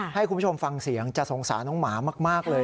ให้คุณผู้ชมฟังเสียงจะสงสารน้องหมามากเลย